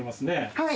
はい。